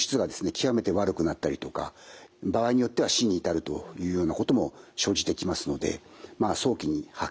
極めて悪くなったりとか場合によっては死に至るというようなことも生じてきますので早期に発見してですね